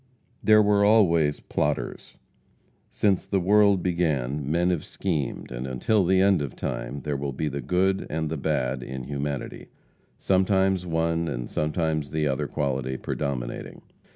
There were always plotters. Since the world began men have schemed, and until the end of time there will be the good and the bad in humanity, sometimes one and sometimes the other quality predominating.